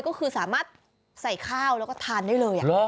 ก็คือสามารถใส่ข้าวแล้วก็ทานได้เลย